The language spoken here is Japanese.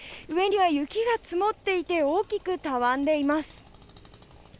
上には雪が積もっていて、大きくたわんでいます。